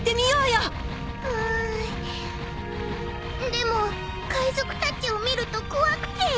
でも海賊たちを見ると怖くて。